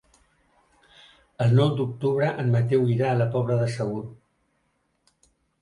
El nou d'octubre en Mateu irà a la Pobla de Segur.